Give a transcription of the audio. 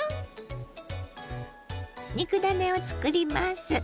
肉ダネをつくります。